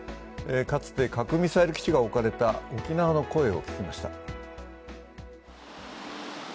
かつて核ミサイル基地が置かれた沖縄の声を聞きました。